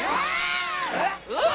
うわ！